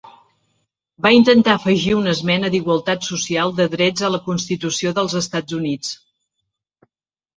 Va intentar afegir una esmena d'igualtat social de drets a la constitució dels Estats Units.